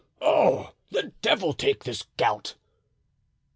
Oh! the devil take this gout!"